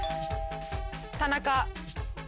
田中。